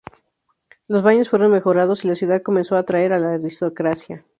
Los baños fueron mejorados y la ciudad comenzó a atraer a la aristocracia.